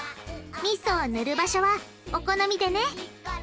みそを塗る場所はお好みでね。